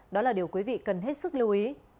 đó là điều quý vị cần hết sức lưu ý